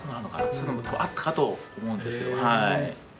そういうのも多分あったかと思うんですけど。